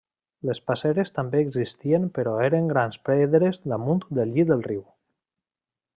Les passeres també existien però eren grans pedres damunt del llit del riu.